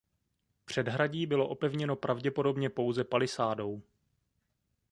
Předhradí bylo opevněno pravděpodobně pouze palisádou.